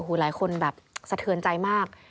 หลายคนแบบสะเทือนใจมาก